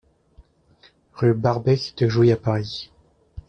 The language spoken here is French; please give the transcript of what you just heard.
Rue Barbet de Jouy à Paris